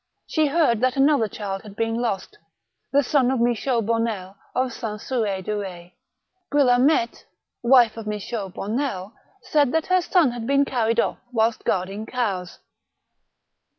She heard that another child had been lost, the son of Michaut Bonnel of S. Cir6 de Betz. Guillemette, wife of Michaut Bonnel, said that her son had been carried off whilst guarding cows.